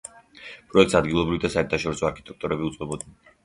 პროექტს ადგილობრივი და საერთაშორისო არქიტექტორები უძღვებოდნენ.